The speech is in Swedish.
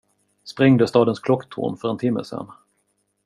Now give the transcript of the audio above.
Sprängde stadens klocktorn för en timme sen.